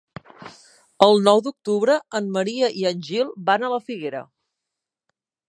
El nou d'octubre en Maria i en Gil van a la Figuera.